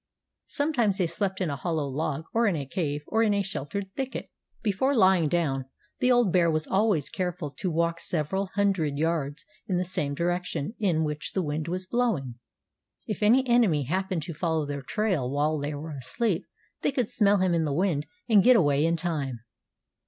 Sometimes they slept in a hollow log, or in a cave, or in a sheltered thicket. Before lying down the old bear was always careful to walk several hundred yards in the same direction in which the wind was blowing. If any enemy happened to follow their trail while they were asleep they could smell him in the wind and get away in time.